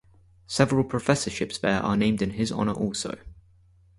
Several professorships there are named in his honor also.